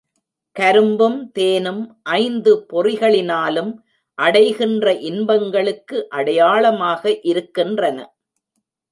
கரும்பும் தேனும் ஐந்து பொறிகளினாலும் அடைகின்ற இன்பங்களுக்கு அடையாளமாக இருக்கின்றன.